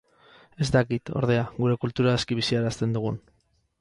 Ez dakit, ordea, gure kultura aski biziarazten dugun.